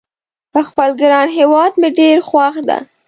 خپل ګران هیواد مې ډېر خوښ ده